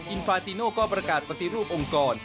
ฟาติโน่ก็ประกาศปฏิรูปองค์กร